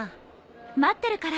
待ってるから。